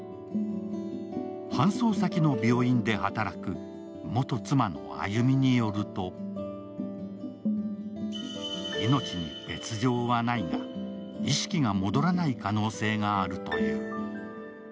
搬送先の病院で働く元妻の亜夕美によると、命に別状はないが、意識が戻らない可能性があるという。